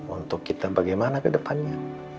untuk kita bagaimana ke depannya